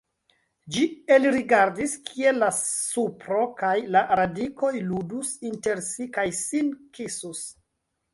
Ĝi elrigardis, kiel la supro kaj la radikoj ludus inter si kaj sin kisus.